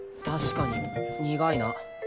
確かに苦いな。